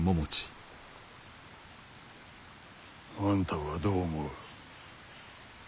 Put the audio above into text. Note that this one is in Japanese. あんたはどう思う？